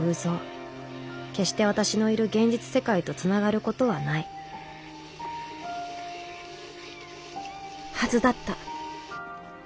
決して私のいる現実世界とつながることはないはずだった。